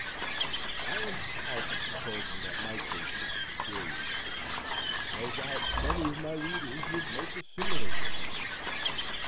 I am far from supposing that my case is a peculiar one; no doubt many of my readers would make a similar defence.